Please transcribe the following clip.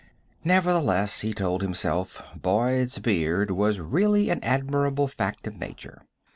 Nevertheless, he told himself, Boyd's beard was really an admirable fact of nature.